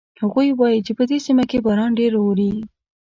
هغوی وایي چې په دې سیمه کې باران ډېر اوري